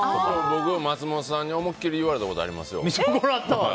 僕は松本さんに思いきり言われたことありますよ。